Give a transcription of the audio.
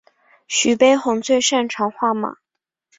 徐悲鸿最擅长画马。